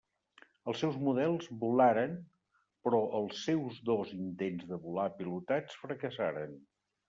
Els seus models volaren però els seus dos intents de volar pilotats fracassaren.